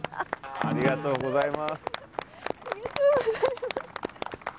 ありがとうございます。